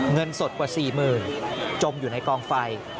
เงินสดกว่า๔๐๐๐จมอยู่ในกองไฟ